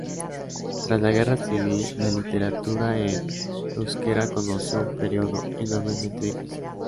Tras la guerra civil, la literatura en euskera conoció un período enormemente difícil.